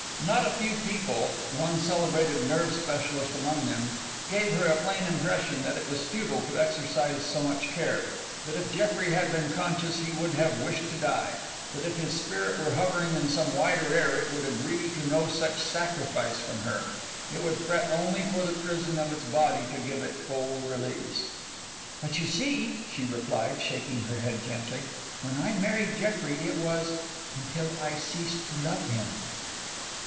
Not a few people, one celebrated nerve specialist among them, gave her a plain impression that it was futile to exercise so much care, that if Jeffrey had been conscious he would have wished to die, that if his spirit were hovering in some wider air it would agree to no such sacrifice from her, it would fret only for the prison of its body to give it full release. "But you see," she replied, shaking her head gently, "when I married Jeffrey it was until I ceased to love him."